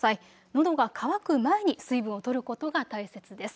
のどが渇く前に水分をとることが大切です。